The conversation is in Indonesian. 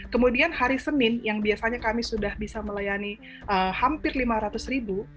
kemudian hari senin yang biasanya kami sudah bisa melayani hampir lima ratus ribu